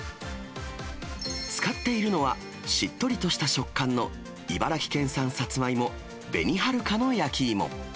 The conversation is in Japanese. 使っているのは、しっとりとした食感の茨城県産サツマイモ、紅はるかの焼き芋。